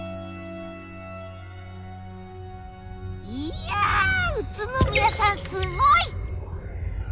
いや宇都宮さんすごい！